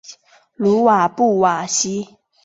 鲁瓦布瓦西。